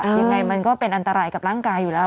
ยังไงมันก็เป็นอันตรายกับร่างกายอยู่แล้ว